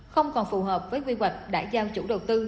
không còn phù hợp với quy hoạch đã giao chủ đầu tư